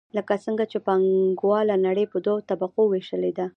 لکه څنګه چې پانګواله نړۍ په دوو طبقو ویشلې ده.